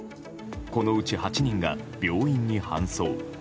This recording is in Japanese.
このうち８人が病院に搬送。